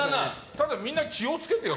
ただ、みんな気を付けてよ。